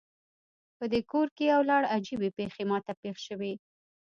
پدې کور کې یو لړ عجیبې پیښې ما ته پیښ شوي